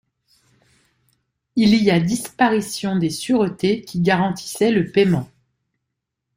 Il y a disparition des sûretés qui garantissaient le paiement.